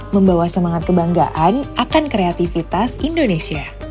membawa semangat kebanggaan akan kreativitas indonesia